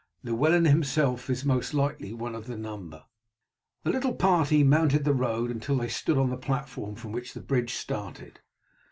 Llewellyn himself is, most likely, one of the number." The little party mounted the road until they stood on the platform from which the bridge started.